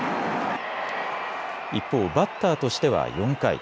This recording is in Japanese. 一方、バッターとしては４回。